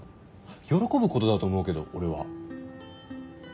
喜ぶことだと思うけど俺は。